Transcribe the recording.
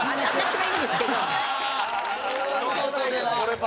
はい。